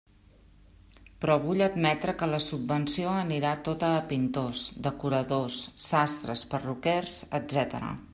Però vull admetre que la subvenció anirà tota a pintors, decoradors, sastres, perruquers, etcètera.